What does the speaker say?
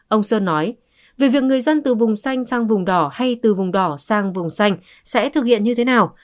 ông sơn nói về việc người dân từ vùng xanh sang vùng đỏ hay từ vùng đỏ sang vùng xanh sẽ thực hiện như thế nào